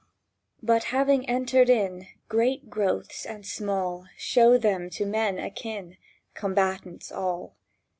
But, having entered in, Great growths and small Show them to men akin— Combatants all!